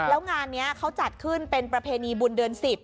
แล้วงานนี้เขาจัดขึ้นเป็นประเพณีบุญเดือน๑๐